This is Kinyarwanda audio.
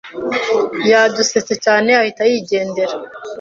Yadusetse cyane ahita yigendera.